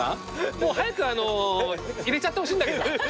もう早く入れちゃってほしいんだけど。